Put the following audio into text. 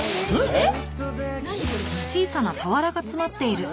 えっ？